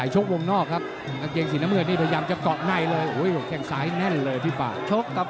ชกโน้ยบ้างโอเคครับโอเคนะครับ